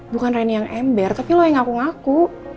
bukan raini yang ember tapi lo yang ngaku ngaku